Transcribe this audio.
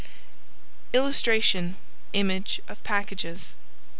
[Illustration: Image of packages.